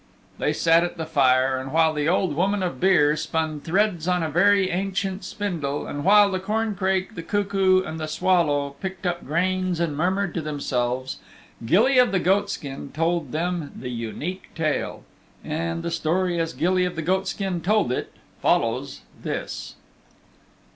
They sat at the fire, and while the Old Woman of Beare spun threads on a very ancient spindle, and while the corncrake, the cuckoo and the swallow picked up grains and murmured to themselves, Gilly of the Goatskin told them the Unique Tale. And the story as Gilly of the Goatskin told it follows this.